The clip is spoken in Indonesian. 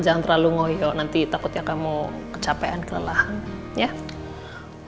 jangan terlalu ngoyo nanti takutnya kamu kecapean kelelahan